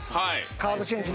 カードチェンジ